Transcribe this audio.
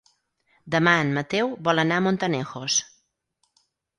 Demà en Mateu vol anar a Montanejos.